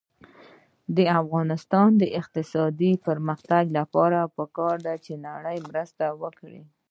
د افغانستان د اقتصادي پرمختګ لپاره پکار ده چې نړۍ مرسته وکړي.